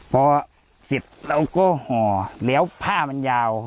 พอเสร็จเราก็ห่อแล้วผ้ามันยาว